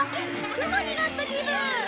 雲になった気分。